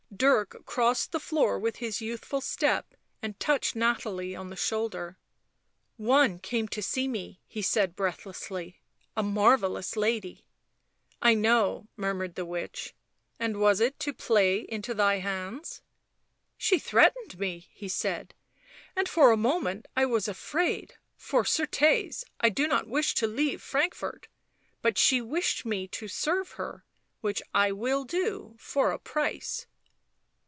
Dirk crossed the floor with his youthful step and touched Nathalie on the shoulder. " One came to see me," he said breathlessly. " A marvellous lady." " I know'," murmured the witch. " And was it to play into thy hands ?" u She threatened me," he said, 11 and for a moment I was afraid; for, ccrtes, I do not wish to leave Frank fort ... but she wished me to serve her — which I will do — for a price."